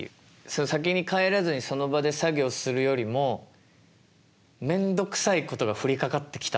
先に帰らずにその場で作業をするよりもめんどくさいことが降りかかってきたのよ。